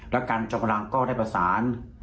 และการจอมพลังก็ได้ประสาน